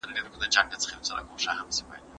¬ چي رنگ دې په کيسه ژړ سي، تورو تې مه ځه!